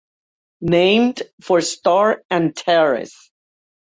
Named for star Antares.